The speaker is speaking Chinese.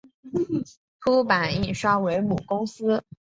凸版印刷为母公司。